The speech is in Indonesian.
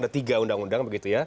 ada tiga undang undang begitu ya